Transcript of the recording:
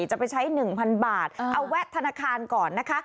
จะไปใช้๑๐๐๐บาทเอาแวะธนาคารก่อนนะคะ